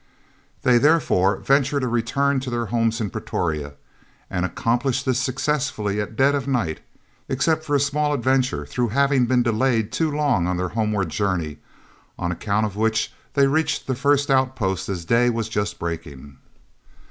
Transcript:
] They therefore ventured a return to their homes in Pretoria and accomplished this successfully at dead of night, except for a small adventure through having been delayed too long on their homeward journey, on account of which they reached the first outpost just as day was breaking.